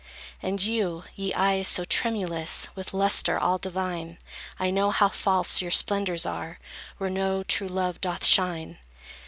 And you, ye eyes so tremulous With lustre all divine, I know how false your splendors are, Where no true love doth shine.